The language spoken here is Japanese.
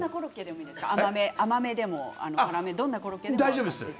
甘めのどんなコロッケでも合いますか？